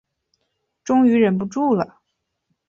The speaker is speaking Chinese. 终于忍不住了